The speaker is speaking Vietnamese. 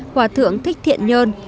hòa thượng thích thiện nhơn